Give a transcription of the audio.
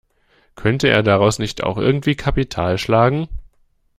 Könnte er daraus nicht auch irgendwie Kapital schlagen?